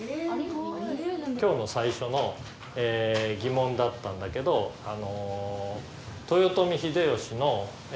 今日の最初の疑問だったんだけどはい。